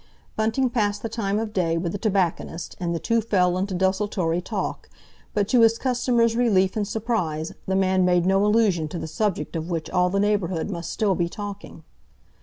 Bunting passed the time of day with the tobacconist, and the two fell into desultory talk, but to his customer's relief and surprise the man made no allusion to the subject of which all the neighbourhood must still be talking.